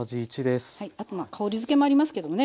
あとまあ香りづけもありますけどもね